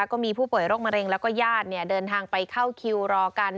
ก็มีผู้ป่วยโรคมะเร็งแล้วก็ญาติเดินทางไปเข้าคิวรอกัน